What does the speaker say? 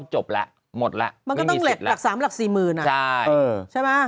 ใช่ใช่ไหม